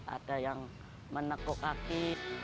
ada yang menekuk kaki